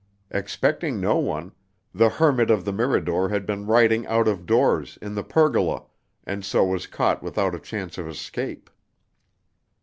Expecting no one, the hermit of the Mirador had been writing out of doors, in the pergola, and so was caught without a chance of escape.